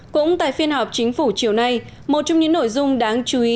cũng tại phiên họp chính phủ chiều nay một trong những nội dung đáng chú ý